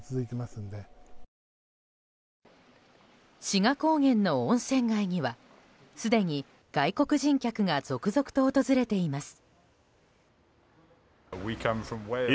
志賀高原の温泉街には、すでに外国人客が続々と訪れています。